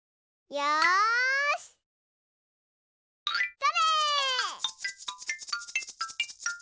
それ！